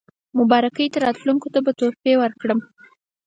مبارکۍ ته راتلونکو ته به تحفې ورکړم.